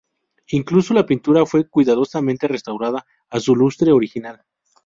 Incluso la pintura fue cuidadosamente restaurada a su lustre original.